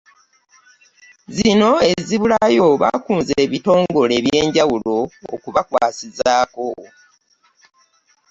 Zino ezibulayo, bakunze ebitongole eby'enjawulo okubakwasizaako